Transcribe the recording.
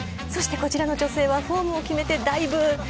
そしてこちらの女性は、フォームを決めてダイブ。